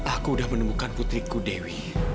aku udah menemukan putriku dewi